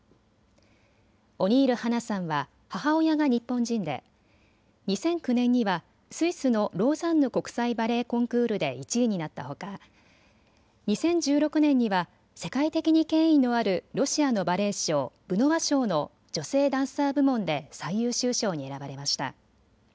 オニール八菜さんは母親が日本人で２００９年にはスイスのローザンヌ国際バレエコンクールで１位になったほか、２０１６年には世界的に権威のあるロシアのバレエ賞、ブノワ賞の女性ダンサー部門で最優秀賞に選ばれました。